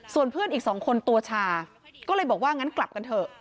ส่วนเพื่อนอีกสองคนตัวชาก็เลยบอกว่างั้นกลับกันเถอะ